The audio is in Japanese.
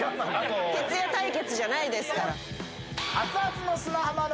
鉄矢対決じゃないですから。